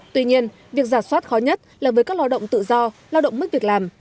tuy nhiên việc giả soát khó nhất là với các lao động tự do lao động mất việc làm